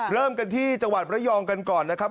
เริ่มกันที่จังหวัดระยองกันก่อนนะครับ